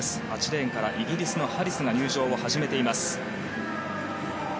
８レーンからイギリスのハリスが入場を始めています。